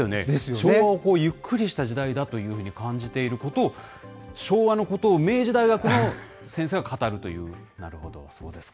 昭和をゆっくりした時代だというふうに感じていることを、昭和のことを明治大学の先生が語るという、なるほど、そうですか。